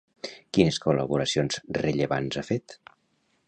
Quines col·laboracions rellevants ha fet?